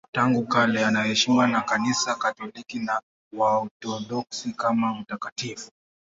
Tangu kale anaheshimiwa na Kanisa Katoliki na Waorthodoksi kama mtakatifu.